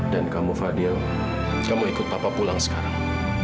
dan kamu fadil kamu ikut papa pulang sekarang